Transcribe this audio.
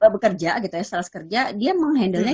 bekerja gitu ya setelah bekerja dia menghandlenya